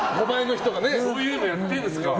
そういうのやってるんですか。